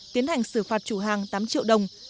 tiến hành xử phạt chủ hàng tám triệu đồng